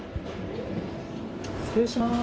失礼します。